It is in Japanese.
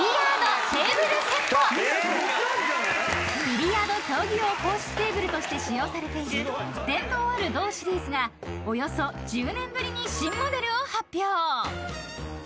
［ビリヤード競技用公式テーブルとして使用されている伝統ある同シリーズがおよそ１０年ぶりに新モデルを発表］